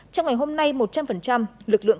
trong ngày hôm nay một trăm linh lực lượng